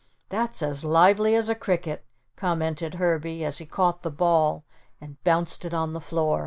"That's as lively as a cricket," commented Herbie, as he caught the ball and bounced it on the floor.